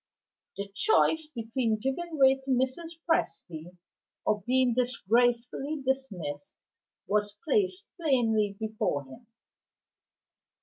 The choice between giving way to Mrs. Presty, or being disgracefully dismissed, was placed plainly before him.